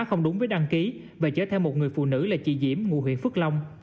không đúng với đăng ký và chở theo một người phụ nữ là chị diễm ngụ huyện phước long